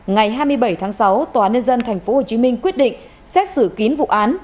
ngày hai mươi bảy tháng sáu tòa nhân dân tp hcm quyết định xét xử kín vụ án